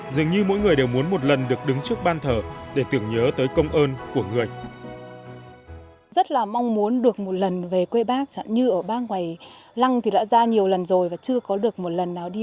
dường như mỗi người đều muốn một lần được đứng trước ban thờ để tưởng nhớ tới công ơn của người